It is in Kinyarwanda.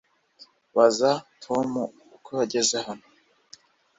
Baza Tom uko yageze hano